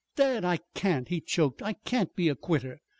"Dad, I can't," he choked. "I can't be a quitter.